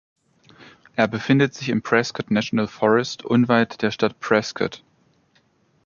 Er befindet sich im Prescott National Forest unweit der Stadt Prescott.